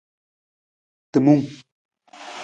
Timung.